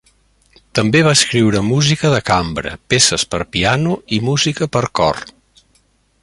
També va escriure música de cambra, peces per a piano i música per a cor.